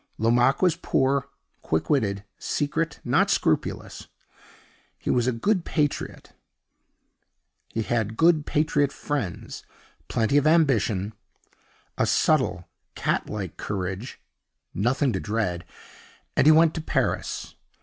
Lomaque was poor, quick witted, secret, not scrupulous. He was a good patriot; he had good patriot friends, plenty of ambition, a subtle, cat like courage, nothing to dread and he went to Paris.